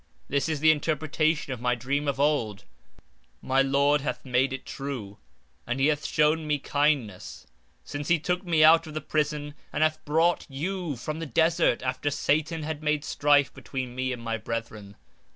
This is the interpretation of my dream of old. My Lord hath made it true, and He hath shown me kindness, since He took me out of the prison and hath brought you from the desert after Satan had made strife between me and my brethren.